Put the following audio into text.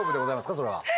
それは。